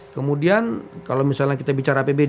kemudian kalau misalnya kita bicara apbd